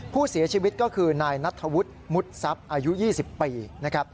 ผู้เสียชีวิตก็คือนายนัทธวุฒิมุดทรัพย์อายุ๒๐ปีนะครับ